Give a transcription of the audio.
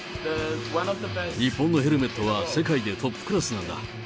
日本のヘルメットは世界でトップクラスなんだ。